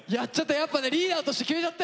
やっぱねリーダーとして決めちゃったよね！